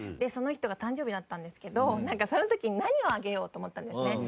その人が誕生日だったんですけどなんかその時に何をあげよう？と思ったんですね。